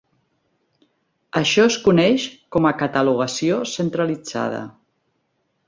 Això es coneix com a catalogació centralitzada.